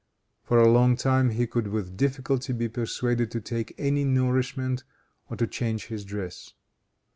For a long time he could with difficulty be persuaded to take any nourishment or to change his dress.